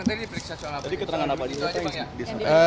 jadi keterangan apa di situ